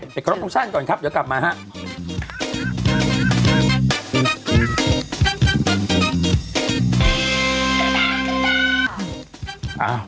ไปกรอบโรงชั่นก่อนครับเดี๋ยวกลับมาฮะ